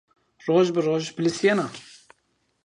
Roje bi roje pilisîyena